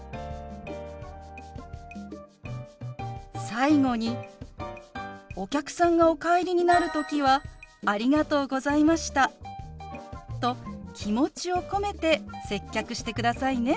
最後にお客さんがお帰りになる時は「ありがとうございました」と気持ちを込めて接客してくださいね。